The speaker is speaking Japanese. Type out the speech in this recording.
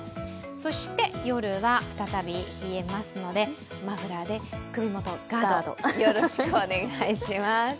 そして夜は再び冷えますのでマフラーで首元をガード、よろしくお願いします。